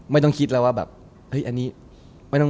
ไม่ต้องคิดแล้วว่าเอ๊อันนี่